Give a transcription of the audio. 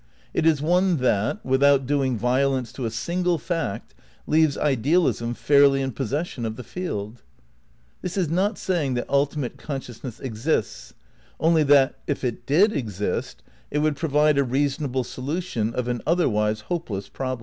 It is one that, without doing violence to a single fact, leaves idealism fairly in possession of the field. This is not saying that ultimate consciousness exists ; only that if it did exist it would provide a reasonble solution of an otherwise hopeless problem.